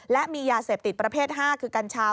และมียาเสพติดประเภท๕คือกัญชา